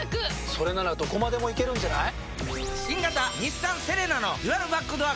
それならどこまでも行けるんじゃない？